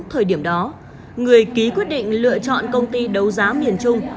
thời điểm đó người ký quyết định lựa chọn công ty đấu giá miền trung